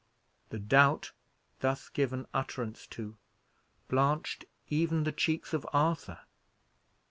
The doubt thus given utterance to, blanched even the cheeks of Arthur.